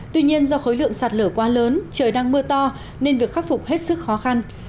tuy nhiên do khối lượng sạt lở quá lớn trời đang mưa to nên việc khắc phục hết sức khó khăn